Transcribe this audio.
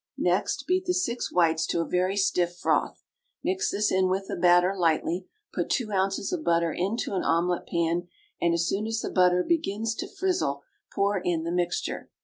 Next beat the six whites to a very stiff froth; mix this in with the batter lightly, put two ounces of butter into an omelet pan, and as soon as the butter begins to frizzle pour in the mixture.